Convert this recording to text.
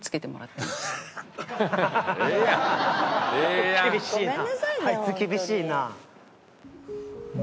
あいつ厳しいな。